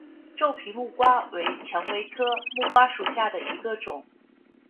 皱皮木瓜为蔷薇科木瓜属下的一个种。